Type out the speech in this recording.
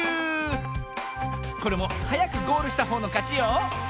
これもはやくゴールしたほうのかちよ